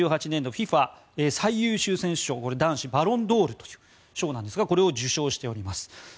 ＦＩＦＡ最優秀選手賞バロンドールという賞なんですがこれを受賞しております。